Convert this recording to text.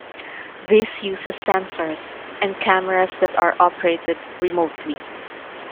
This uses sensors, and cameras that are operated remotely.